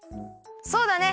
そうだね！